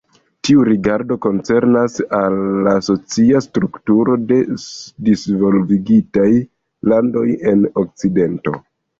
Tiu rigardo koncernas al la socia strukturo de disvolvigitaj landoj en Okcidento.